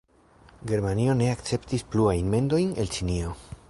Germanio ne akceptis pluajn mendojn el Ĉinio.